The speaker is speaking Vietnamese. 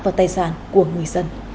và tài sản của người dân